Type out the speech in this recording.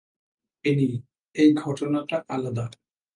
Penney, এই ঘটনাটা আলাদা।